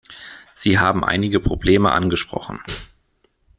Sie haben einige Probleme angesprochen.